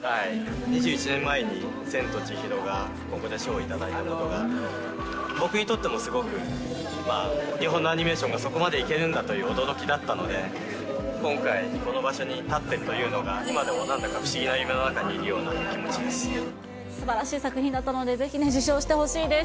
２１年前に千と千尋がここで賞を頂いたことが、僕にとってもすごく、日本のアニメーションがそこまで行けるんだという驚きだったので、今回、この場所に立ってるというのが、今でもなんだか不思議な夢すばらしい作品だったので、ぜひ受賞してほしいです。